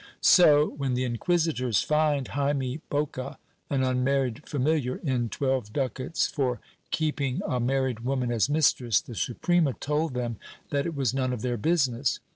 So, when the inquisitors fined Jaime Bocca, an unmarried familiar, in twelve ducats for keeping a married woman as mistress, the Suprema told them that it was none of their business.